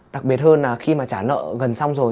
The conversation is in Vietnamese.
đặc biệt hơn là khi mà trả lợi gần xong rồi